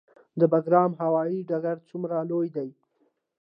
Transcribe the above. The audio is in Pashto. د بګرام هوايي ډګر څومره لوی دی؟